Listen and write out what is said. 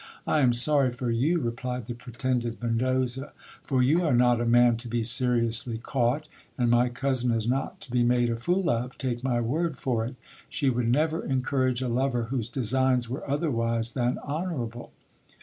I am sorry for you, replied the pretended Mendoza, for you are not a man to be seriously caught, and my cousin is not to be made a fool of, take my word for it. She would never encourage a lover whose designs were otherwise than honourable.